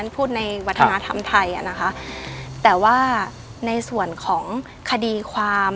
พูดในวัฒนธรรมไทยอ่ะนะคะแต่ว่าในส่วนของคดีความ